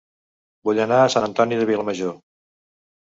Vull anar a Sant Antoni de Vilamajor